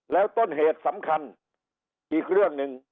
แล้วต้นเหตุสำคัญอีกเรื่องหนึ่ง